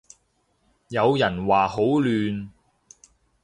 有人話好亂